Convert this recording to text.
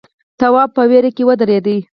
تواب په وېره کې ودرېد.